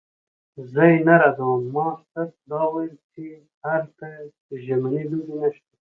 زه یې نه ردوم، ما صرف دا ویل چې هلته ژمنۍ لوبې نشته.